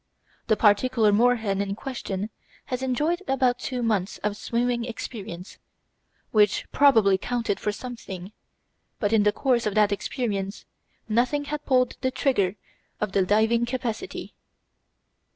The particular moorhen in question had enjoyed about two months of swimming experience, which probably counted for something, but in the course of that experience nothing had pulled the trigger of the diving capacity.